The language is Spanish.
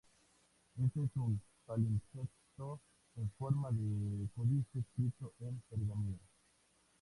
Este es un palimpsesto en forma de códice escrito en pergamino.